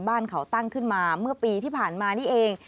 บ้านเขาตั้งขึ้นมาเมื่อปีที่ผ่านมานี่เอง